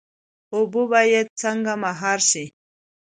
اوبه باید څنګه مهار شي؟